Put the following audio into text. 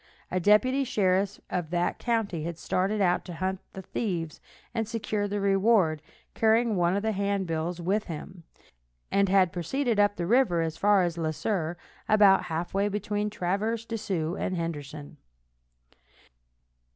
A deputy sheriff of that county had started out to hunt the thieves and secure the reward, carrying one of the handbills with him, and had proceeded up the river as far as Le Sueur, about half way between Traverse des Sioux and Henderson.